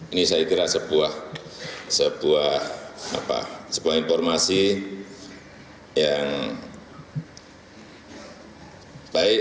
ini saya kira sebuah informasi yang baik